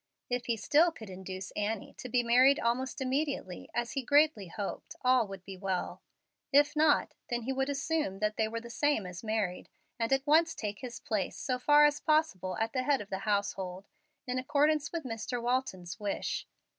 If he still could induce Annie to be married almost immediately, as he greatly hoped, all would be well. If not, then he would assume that they were the same as married, and at once take his place so far as possible at the head of the household, in accordance with Mr. Walton's wish.